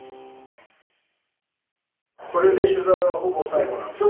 これで取材はほぼ最後なんですか？